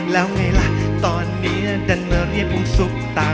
แล้วไงล่ะตอนเนียดั่นมาเรียบวงซุปตา